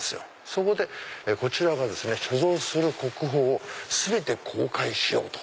そこでこちらが所蔵する国宝を全て公開しよう！と。